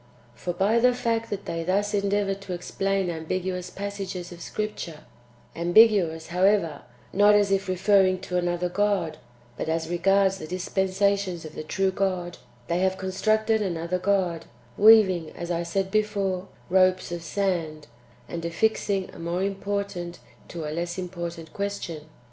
For by the fact that they thus endeavour to explain ambiguous passages of Scripture (ambiguous, however, not as if referring to another God, but as regards the dispensations of [the true] God), they have constructed another God, weaving, as I said before, ropes of sand, and affixing a more important to a less important question.